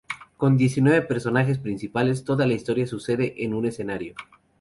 Con diecinueve personajes principales, toda la historia sucede en un escenario.